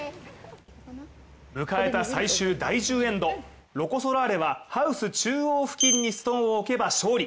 迎えた最終第１０エンドロコ・ソラーレはハウス中央付近にストーンを置けば勝利。